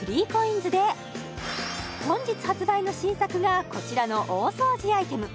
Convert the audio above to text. ３ＣＯＩＮＳで本日発売の新作がこちらの大掃除アイテム